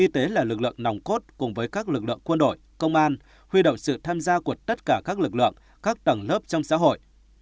y tế là lực lượng nòng cốt cùng với các lực lượng quân đội công an huy động sự tham gia của tất cả các lực lượng các tầng lớp trong xã hội